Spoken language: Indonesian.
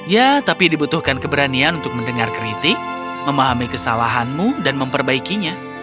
ya tapi dibutuhkan keberanian untuk mendengar kritik memahami kesalahanmu dan memperbaikinya